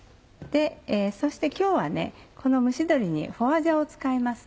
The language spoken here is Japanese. そして今日はこの蒸し鶏に花椒を使います。